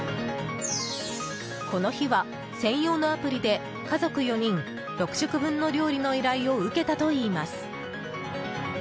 この日は専用のアプリで家族４人６食分の料理の依頼を受けたといいます。